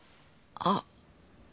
あっ。